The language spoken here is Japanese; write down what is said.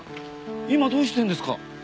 今どうしてんですか？